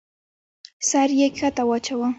سر يې کښته واچاوه.